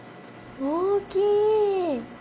大きい！